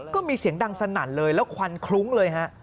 ก็มีเสียงดังสนั่นเลยแล้วควันคลุ้งเลยฮะ